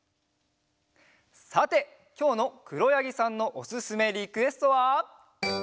さてきょうのくろやぎさんのおすすめリクエストは。